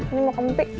ini mau kempik